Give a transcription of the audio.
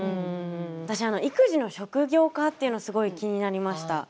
私は育児の職業化というのがすごい気になりました。